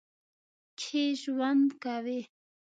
کښې ژؤند کوي